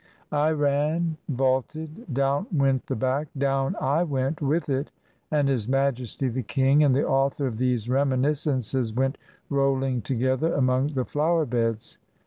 I ran, vaulted, down went the back, down I went with it; and His Majesty the King and the author of these reminiscences went rolling together among the flower beds.